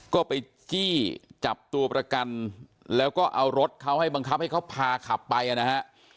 ก็ไปจี้จับตัวประกันแล้วก็เอารถเขาให้บังคับให้เขาพาขับไปนะฮะ